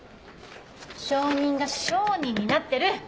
承認が「商人」になってる！